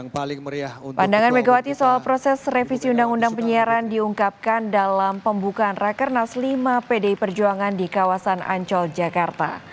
pandangan megawati soal proses revisi undang undang penyiaran diungkapkan dalam pembukaan rakernas lima pdi perjuangan di kawasan ancol jakarta